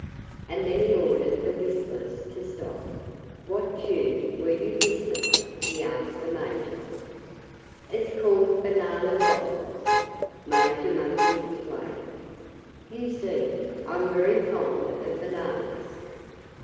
And then he ordered the whistlers to stop. "What tune were you whistling?" he asked the Major. "It's called 'Banana Blossoms,'" Major Monkey explained. "You see, I'm very fond of bananas."